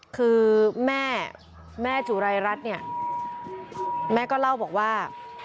คือแม่แม่จุรายรัฐเนี่ยแม่ก็เล่าบอกว่า